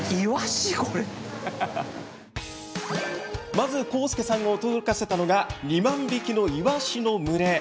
まず、浩介さんを驚かせたのが２万匹のイワシの群れ。